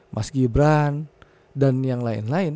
mas gibran dan yang lain lain